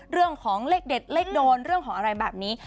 เรื่องของเลขเด็ดเลขโดนเรื่องของอะไรแบบนี้